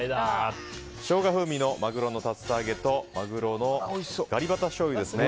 ショウガ風味のマグロの竜田揚げとマグロのガリバタしょうゆですね。